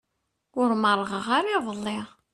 Ur merrɣeɣ ara iḍelli.